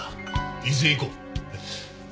伊豆へ行こう。